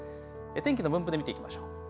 天気の分布で見ていきましょう。